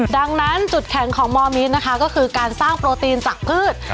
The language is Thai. ดังนั้นจุดแข็งของมอมิตนะคะก็คือการสร้างโปรตีนจากพืช